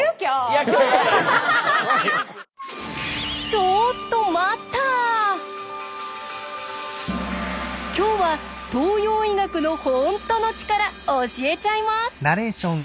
ちょっと今日は東洋医学のホントのチカラ教えちゃいます！